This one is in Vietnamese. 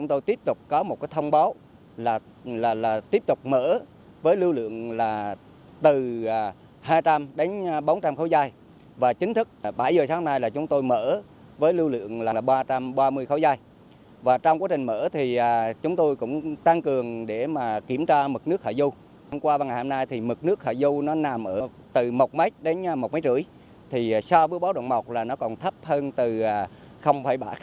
nằm ở từ một m đến một năm m thì so với bó đoạn một là nó còn thấp hơn từ sáu bảy m